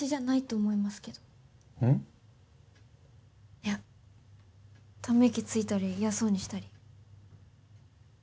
いや、ため息ついたり嫌そうにしたり。